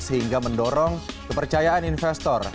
sehingga mendorong kepercayaan investor